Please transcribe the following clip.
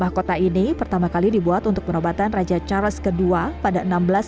mahkota ini pertama kali dibuat untuk penobatan raja charles ii pada seribu enam ratus sembilan puluh